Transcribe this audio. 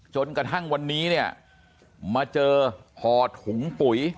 จนกระทั่งวันนี้เนี่ยมาเจอห่อถุงปุ๋ย